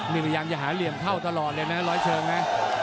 นี่พยายามจะหาเหลี่ยมเข้าตลอดเลยนะร้อยเชิงนะ